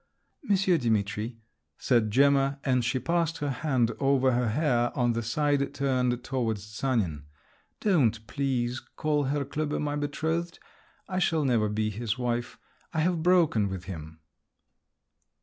"Monsieur Dimitri," said Gemma, and she passed her hand over her hair on the side turned towards Sanin, "don't, please, call Herr Klüber my betrothed. I shall never be his wife. I have broken with him."